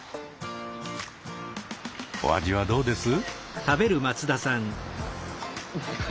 お味はどうです？